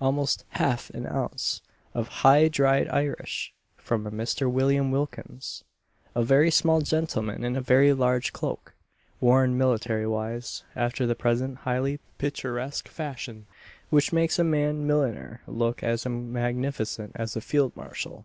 almost half an ounce of high dried Irish, from a Mr. William Wilkins a very small gentleman in a very large cloak, worn military wise after the present highly picturesque fashion, which makes a man milliner look as magnificent as a Field Marshal.